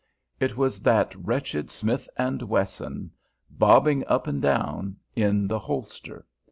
It was that wretched Smith & Wesson bobbing up and down in the holster.